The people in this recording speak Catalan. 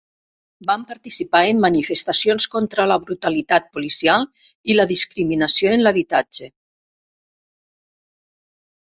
Van participar en manifestacions contra la brutalitat policial i la discriminació en l'habitatge.